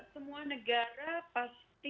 semua negara pasti memprioritasi